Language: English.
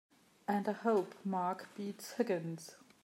And I hope Mark beats Higgins!